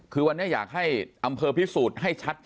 คือวันนี้อยากให้อำเภอพิสูจน์ให้ชัด